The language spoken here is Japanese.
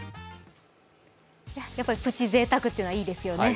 プチぜいたくというのはいいですよね。